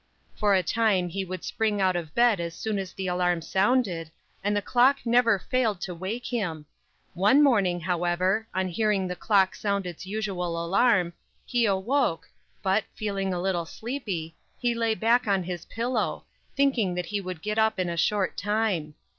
"'For a time he would spring out of bed as soon as the alarm sounded, and the clock never failed to wake him. One morning, however, on hearing the clock sound its usual alarm, he awoke, but, feeling a little sleepy, he lay back on his pillow, thinking that he would get up in a short time.